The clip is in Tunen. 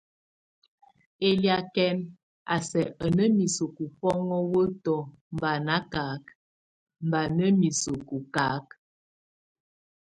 Eliakɛn a sɛk a ná miseku bɔ́ŋɔ weto bá nakak, bá na miseku kak.